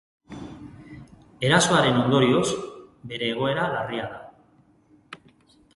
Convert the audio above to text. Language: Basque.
Erasoaren ondorioz, bere egoera larria da.